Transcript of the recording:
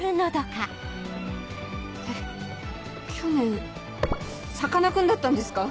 えっ去年さかなクンだったんですか？